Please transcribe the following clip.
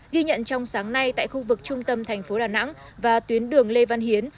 ghi nhận trong sáng nay tại khu vực trung tâm thành phố đà nẵng và tuyến đường lê văn hiến